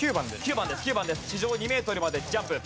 地上２メートルまでジャンプ。